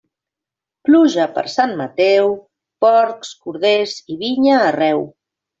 Pluja per Sant Mateu, porcs, corders i vinya arreu.